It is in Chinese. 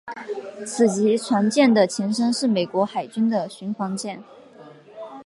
此级船舰的前身是美国海军的巡防舰。